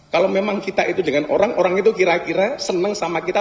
kalau memang kita itu dengan orang orang itu kira kira seneng sama kita